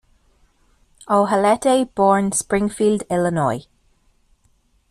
Ohalete born Springfield, Illinois.